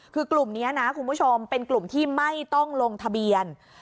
คือกลุ่มนี้นะคุณผู้ชมเป็นกลุ่มที่ไม่ต้องลงทะเบียน